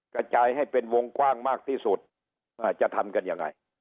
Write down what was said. กระจายให้เป็นวงกว้างมากที่สุดจะทำกันยังไง